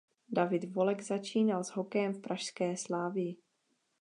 David Volek začínal s hokejem v pražské Slavii.